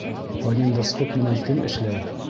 Фонендоскоп менән кем эшләй?